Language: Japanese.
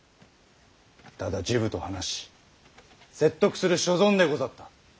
ただ治部と話し説得する所存でござった。